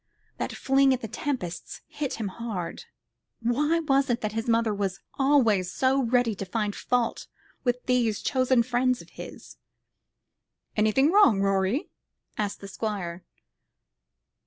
That fling at the Tempests hit him hard. Why was it that his mother was always so ready to find fault with these chosen friends of his? "Anything wrong, Rorie?" asked the Squire.